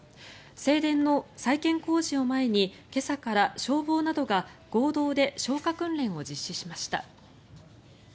正殿の再建工事を前に今朝から消防などが合同で消火訓練を実施しました。